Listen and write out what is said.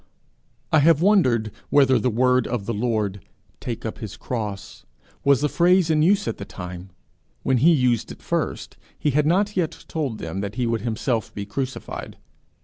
I have wondered whether the word of the Lord, 'take up his cross,' was a phrase in use at the time: when he used it first he had not yet told them that he would himself be crucified.